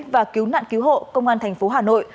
và cứu nạn cứu hộ công an tp hà nội